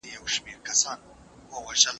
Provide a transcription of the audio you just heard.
تا ویلي وو چې بازار سخت دی.